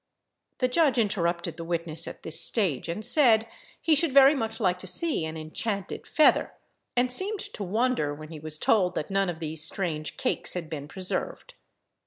The judge interrupted the witness at this stage, and said, he should very much like to see an enchanted feather, and seemed to wonder when he was told that none of these strange cakes had been preserved.